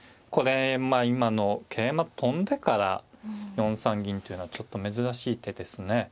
これ今の桂馬跳んでから４三銀っていうのはちょっと珍しい手ですね。